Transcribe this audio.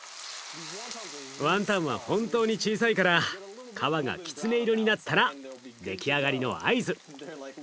ワンタンは本当に小さいから皮がきつね色になったら出来上がりの合図。